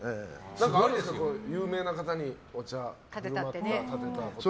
何かあるんですか有名な方にお茶をたてたことは。